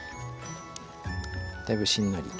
だいぶしんなりと。